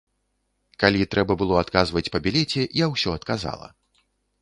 Калі трэба было адказваць па білеце, я ўсё адказала.